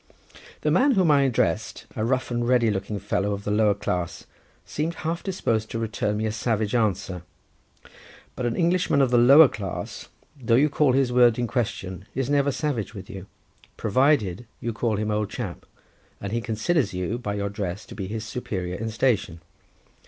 The man whom I addressed, a rough and ready looking fellow of the lower class, seemed half disposed to return me a savage answer; but an Englishman of the lower class, though you call his word in question, is never savage with you, provided you call him old chap, and he considers you by your dress to be his superior in station.